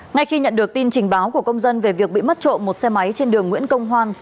ngay khi nhận được tin trình báo của công dân về việc bị mất trộm một xe máy trên đường nguyễn công hoan